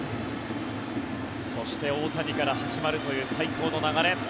そして大谷から始まるという最高の流れ。